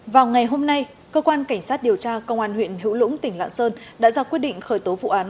vào ngày hôm nay cơ quan cảnh sát điều tra công an huyện hữu lũng tỉnh lạng sơn đã ra quyết định khởi tố vụ án